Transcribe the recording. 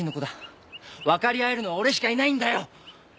分かり合えるのは俺しかいないんだよ！